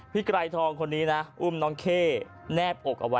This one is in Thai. ไกรทองคนนี้นะอุ้มน้องเข้แนบอกเอาไว้